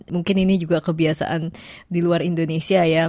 mungkin ini juga kebiasaan di luar indonesia ya